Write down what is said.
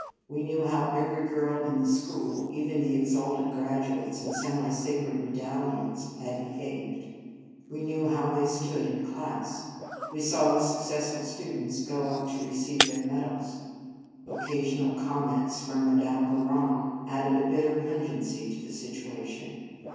We knew how every girl in the school, even the exalted graduates and semi sacred medallions, had be haved. We knew how they stood in class. We saw the successful stu dents go up to receive their medals. Occasional comments from Madame Bouron added a bitter pungency to the situation.